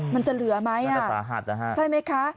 มันจะเหลือไหมใช่ไหมคะ